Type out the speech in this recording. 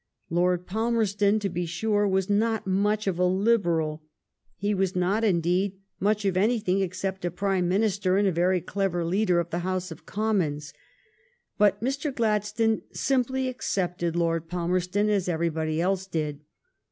Lord Palmerston, to be sure, was not much of a Liberal ; he was not, indeed, much of anything except a Prime Minister and a very clever leader of the House of Commons. But Mr. Gladstone simply accepted Lord Palmerston as everybody else did.